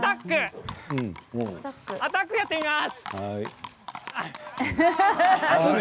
アタックをやってみます。